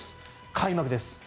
開幕です。